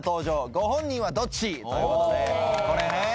ご本人はどっち？」ということでこれね。